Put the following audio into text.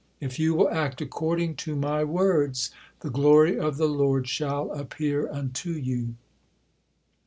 If you will act according to my words, 'the glory of the Lord shall appear unto you.'"